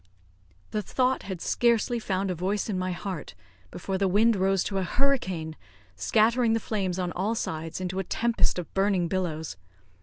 The thought had scarcely found a voice in my heart before the wind rose to a hurricane, scattering the flames on all sides into a tempest of burning billows.